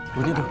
bu ini tuh